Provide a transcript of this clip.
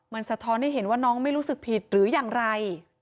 มันสะท้อนให้เห็นว่าน้องไม่รู้สึกผิดหรืออย่างไร